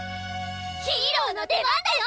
ヒーローの出番です！